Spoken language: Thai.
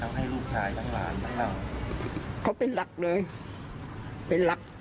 ให้ลูกชายทั้งหลานทั้งเราเขาเป็นหลักเลยเป็นหลัก